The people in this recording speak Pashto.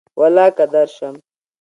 ولاکه درشم